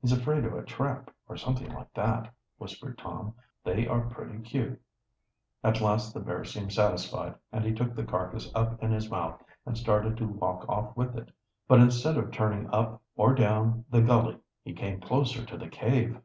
"He's afraid of a trap, or something like that," whispered Tom. "They are pretty cute." At last the bear seemed satisfied, and he took the carcass up in his mouth and started to walk off with it. But, instead of turning up or down the gully, he came closer to the cave!